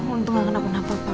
untung gak kena apa apa pak